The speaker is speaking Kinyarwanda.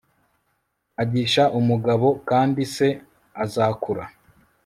igisha umugabo, kandi se azakura